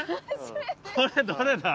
これどれだ？